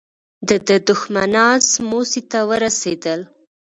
د ده دښمنان سموڅې ته ورسېدل.